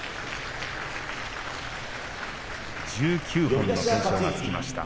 １９個の懸賞がつきました。